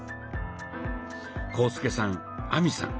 浩介さん亜美さん